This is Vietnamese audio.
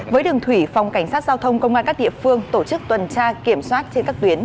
với đường thủy phòng cảnh sát giao thông công an các địa phương tổ chức tuần tra kiểm soát trên các tuyến